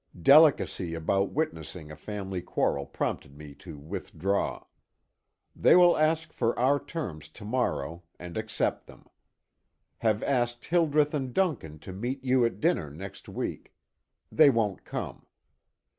Delicacy about witnessing a family quarrel prompted me to withdraw. They will ask for our terms to morrow, and accept them. Have asked Hildreth and Duncan to meet you at dinner next week. They won't come.